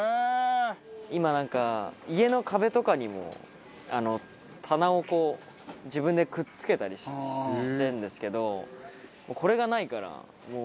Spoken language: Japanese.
今なんか家の壁とかにも棚をこう自分でくっつけたりしてるんですけどこれがないからもう。